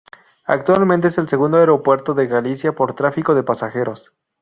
Actualmente es el segundo aeropuerto de Galicia por tráfico de pasajeros.